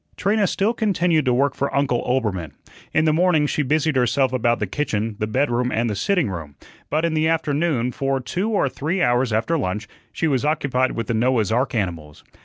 Trina still continued to work for Uncle Oelbermann. In the mornings she busied herself about the kitchen, the bedroom, and the sitting room; but in the afternoon, for two or three hours after lunch, she was occupied with the Noah's ark animals.